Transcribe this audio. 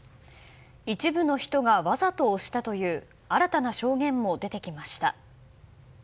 一部の人がわざと押したという新たな証言も出てきました。